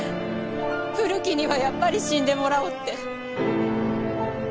古木にはやっぱり死んでもらおうって。